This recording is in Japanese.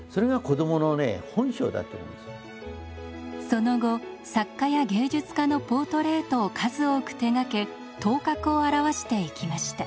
その後作家や芸術家のポートレートを数多く手がけ頭角を現していきました。